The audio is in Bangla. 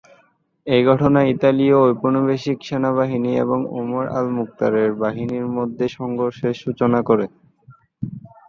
এই ঘটনা ইতালীয় ঔপনিবেশিক সেনাবাহিনী এবং ওমর আল-মুখতারের বাহিনীর মধ্যে সংঘর্ষের সূচনা করে।